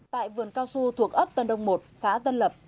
tại vườn cao su thuộc ấp tân đông một xã tân lập